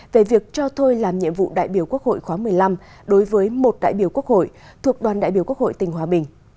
về việc cho thôi làm nhiệm vụ đại biểu quốc hội khóa một mươi năm đối với một đại biểu quốc hội thuộc đoàn đại biểu quốc hội tỉnh hòa bình